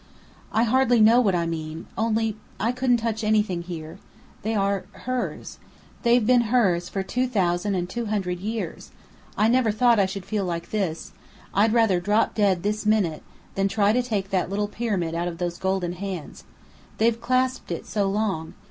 "I hardly know what I mean. Only I couldn't touch anything here. They are hers. They've been hers for two thousand and two hundred years. I never thought I should feel like this. I'd rather drop dead, this minute, than try to take that little pyramid out of those golden hands. They've clasped it so long!